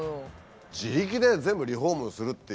自力で全部リフォームするっていう。